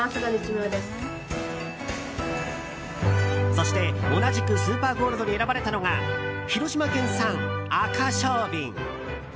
そして同じくスーパーゴールドに選ばれたのが広島県産アカショウビン。